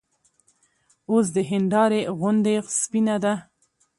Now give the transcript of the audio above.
اوس د هېندارې غوندې سپينه ده